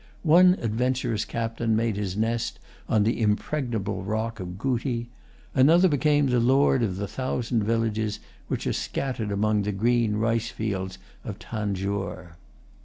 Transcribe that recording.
One adventurous captain made his nest on the impregnable rock of Gooti. Another became the lord of the thousand villages which are scattered among the green rice fields of Tanjore.